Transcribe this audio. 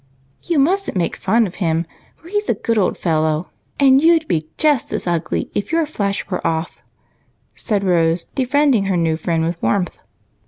" You must n't make fun of him, for he's a good old fellow, and you'd be just as ugly if your flesh was off," said Rose, defending her new friend with warmth.